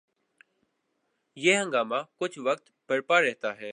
یہ ہنگامہ کچھ وقت برپا رہتا ہے۔